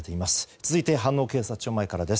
続いて、飯能警察署前からです。